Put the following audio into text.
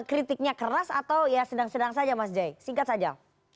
kritiknya keras atau ya sedang sedang saja mas jai singkat saja